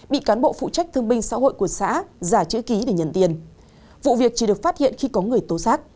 bị cán bộ phụ trách thương binh xã hội của xã giả chữ ký để nhận tiền vụ việc chỉ được phát hiện khi có người tố xác